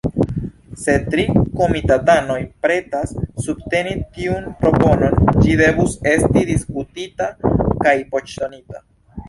Se tri komitatanoj pretas subteni tiun proponon, ĝi devus esti diskutita kaj voĉdonita.